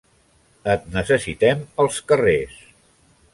Et necessitem als carrers.